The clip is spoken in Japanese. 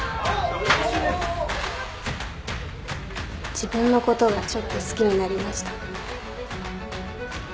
自分のことがちょっと好きになりました。